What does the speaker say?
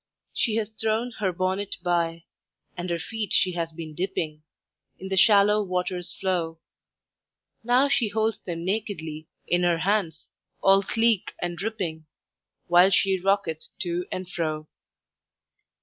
She has thrown her bonnet by, And her feet she has been dipping In the shallow water's flow. Now she holds them nakedly In her hands, all sleek and dripping, While she rocketh to and fro.